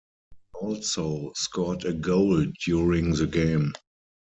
He also scored a goal during the game.